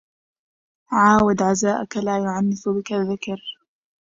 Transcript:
عاود عزاءك لا يعنف بك الذكر